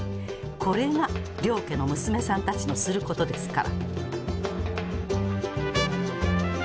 これが良家の娘さんたちのする事ですから」。